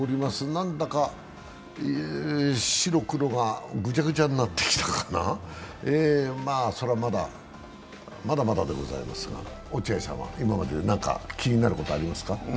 何だか白黒がぐぢゃぐぢゃになってきたというか、まだまだでございますが、落合さんは今までで何か気になることはありますか？